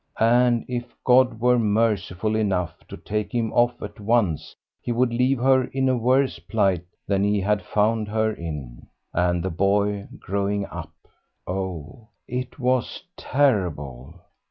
And if God were merciful enough to take him off at once he would leave her in a worse plight than he had found her in, and the boy growing up! Oh, it was terrible!